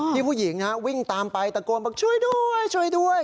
พี่ผู้หญิงนะฮะวิ่งตามไปตะโกนแบบช่วยด้วยช่วยด้วย